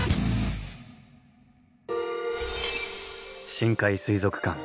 深海水族館。